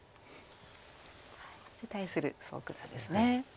そして対する蘇九段ですね。